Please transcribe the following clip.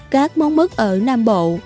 các món mức ở nam bộ